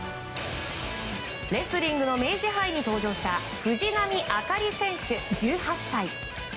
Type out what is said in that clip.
レスリングの明治杯に登場した藤波朱理選手、１８歳。